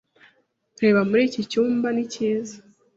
Reba muri iki cyumba ni cyiza.